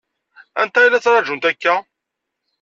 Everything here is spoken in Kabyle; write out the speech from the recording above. Anta i la ttṛaǧunt akka?